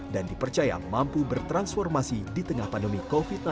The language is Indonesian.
dan dipercaya mampu bertransformasi di tengah pandemi covid sembilan belas